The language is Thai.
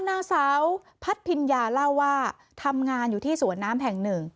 นางสาวพัดพิญญาเล่าว่าทำงานอยู่ที่สวนน้ำแห่งหนึ่ง